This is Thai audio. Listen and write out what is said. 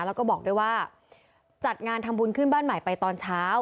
แล้วก็บอกด้วยว่าจัดงานทำบุญขึ้นบ้านใหม่ไปตอนเช้า